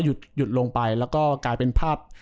หยุดลงไปแล้วก็กลายเป็นภาพ